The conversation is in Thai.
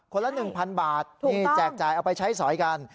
ละ๑๐๐บาทนี่แจกจ่ายเอาไปใช้สอยกัน